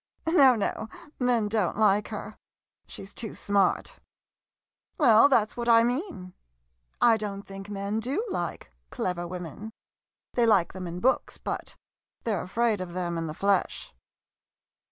No, no — men don't like her — she 's too smart. Well, that 's what I mean. I don't think men do like clever women. They like them in books, but they're afraid of them in the flesh.